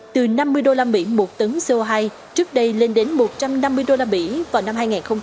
từ năm mươi usd một tấn co hai trước đây lên đến một trăm năm mươi usd vào năm hai nghìn hai mươi